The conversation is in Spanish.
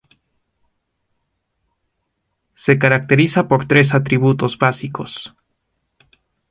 Se caracteriza por tres atributos básicos.